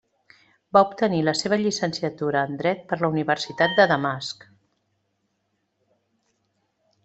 Va obtenir la seva llicenciatura en Dret per la Universitat de Damasc.